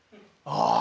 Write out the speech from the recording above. ああ。